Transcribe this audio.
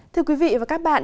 thưa quý vị và các bạn